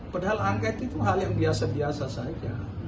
padahal angket itu hal yang biasa biasa saja